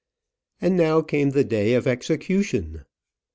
And now came the day of execution.